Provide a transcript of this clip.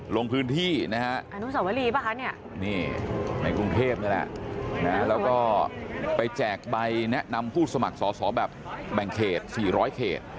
ลงพื้นที่นะครับในกรุงเทพฯก็แล้วนะครับแล้วก็ไปแจกใบแนะนำผู้สมัครสอบแบบแบ่งเขต๔๐๐เขต